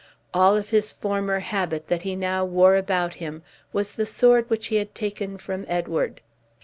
All of his former habit that he now wore about him, was the sword which he had taken from Edward.